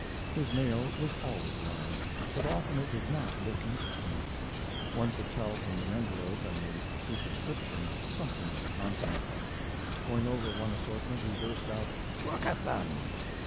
His mail was always large; but often it did not look interesting. One could tell from the envelope and the superscription something of the contents. Going over one assortment he burst out: "Look at them!